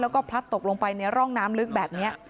แล้วก็พลัดตกลงไปในร่องน้ำลึกแบบนี้